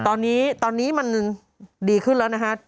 ตอนนี้ตอนนี้มันดีขึ้นแล้วนะฮะ